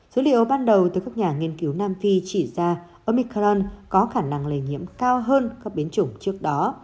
dữ liệu ban đầu từ các nhà nghiên cứu nam phi chỉ ra omicron có khả năng lây nhiễm cao hơn các biến chủng trước đó